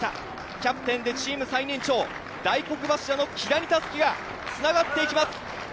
キャプテンでチーム最年長、大黒柱の木田にたすきがつながっていきます。